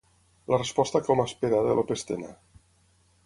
La resposta que hom espera de López Tena.